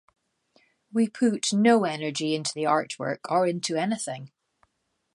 We put no energy into the artwork or into anything.